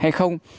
hay là không